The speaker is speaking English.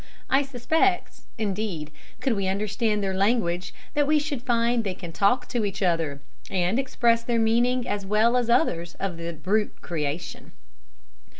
I suspect, indeed, could we understand their language, that we should find they can talk to each other, and express their meaning as well as others of the brute creation.